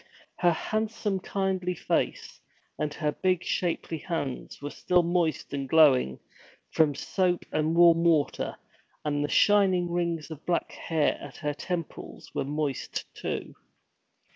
Her handsome kindly face and her big shapely hands were still moist and glowing from soap and warm water, and the shining rings of black hair at her temples were moist, too.